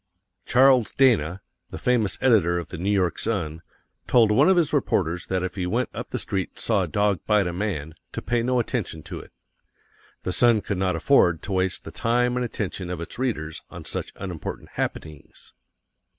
Charles Dana, the famous editor of The New York Sun, told one of his reporters that if he went up the street and saw a dog bite a man, to pay no attention to it. The Sun could not afford to waste the time and attention of its readers on such unimportant happenings.